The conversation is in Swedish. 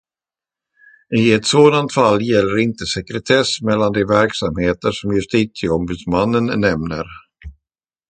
I ett sådant fall gäller inte sekretess mellan de verksamheter som Justitieombudsmannen nämner.